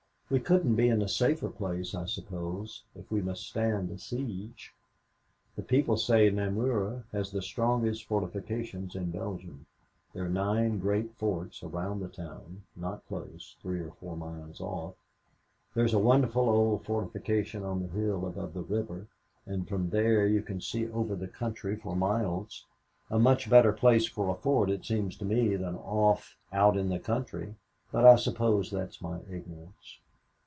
We couldn't be in a safer place, I suppose, if we must stand a siege. The people say Namur has the strongest fortifications in Belgium. There are nine great forts around the town not close three or four miles off. There is a wonderful old fortification on the hill above the river, and from there you can see over the country for miles a much better place for a fort it seems to me than off out in the country, but I suppose that's my ignorance.